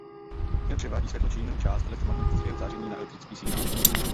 Ten převádí světlo či jinou část elektromagnetického záření na elektrický signál.